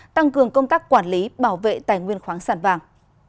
tăng cường công tác quản lý bảo vệ tài nguyên khoáng sản vàng